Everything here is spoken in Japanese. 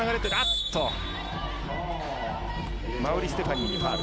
馬瓜ステファニーにファウル。